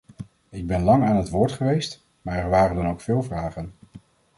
Ik ben lang aan het woord geweest, maar er waren dan ook veel vragen.